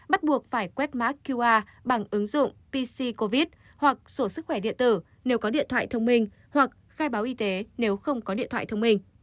bắt buộc phải quét mã qr bằng ứng dụng pc covid hoặc sổ sức khỏe điện tử nếu có điện thoại thông minh hoặc khai báo y tế nếu không có điện thoại thông minh